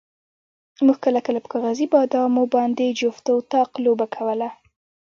موږ کله کله په کاغذي بادامو باندې جفت او طاق لوبه کوله.